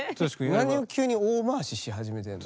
何を急に大回しし始めてんの？